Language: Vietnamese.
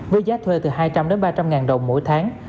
với giá thuê từ hai trăm linh đến ba trăm linh ngàn đồng mỗi tháng